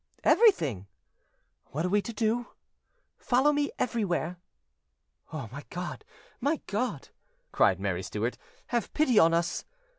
"Everything." "What are we to do?" "Follow me everywhere." "My God! my God!" cried Mary Stuart, "have pity on us!"